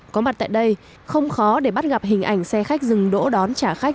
có mặt tại đây không khó để bắt gặp hình ảnh xe khách dừng đỗ đón trả khách